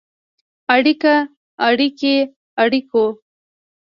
اړیکه ، اړیکې، اړیکو.